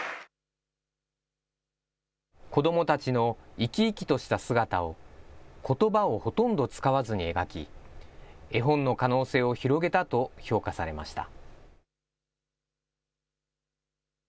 子どもたちの生き生きとした姿を、ことばをほとんど使わずに描き、絵本の可能性を広げたと評価されました。